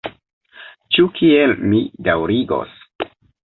Ĉu kiel mi daŭrigos?..